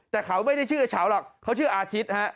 แต่เขาไม่ได้ชื่อเฉาหรอกเขาชื่ออาทิตย์ฮะ